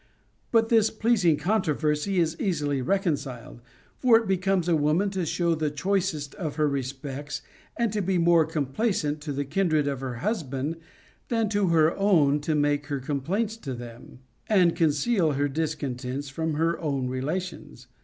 But this pleasing con troversy is easily reconciled. For it becomes a woman tc show the choicest of her respects and to be more com plaisant to the kindred of her husband than to her own to make her complaints to them, and conceal her discon tents from her own relations.